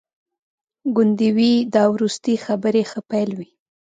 ګوندي وي دا وروستي خبري ښه پیل وي.